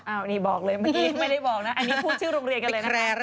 อ้าวนี่บอกเลยไม่ได้บอกนะอันนี้พูดชื่อโรงเรียนกันเลยนะครับ